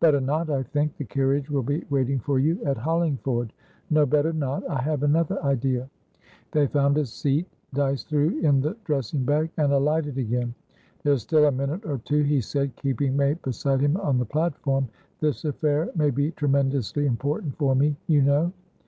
"Better not, I think. The carriage will be waiting for you at Hollingford. No, better not. I have another idea." They found a seat. Dyce threw in the dressing bag, and alighted again. "There's still a minute or two," he said, keeping May beside him on the platform. "This affair may be tremendously important for me, you know."